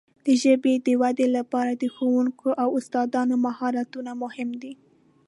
د ژبې د وده لپاره د ښوونکو او استادانو مهارتونه مهم دي.